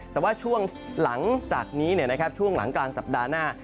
แต่ว่าช่วงหลังจากนี้ช่วงหลังกลางสัปดาห์หน้า